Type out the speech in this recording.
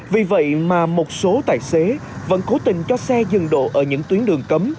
vì vậy mà một số tài xế vẫn cố tình cho xe dân đổ ở những tuyến đường cấm